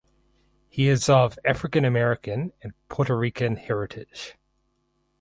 He is of African American and Puerto Rican heritage.